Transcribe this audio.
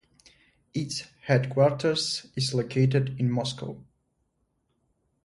Its headquarters is located in Moscow.